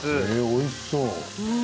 おいしそう。